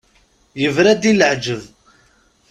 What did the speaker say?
Yebra-d i leɛǧeb.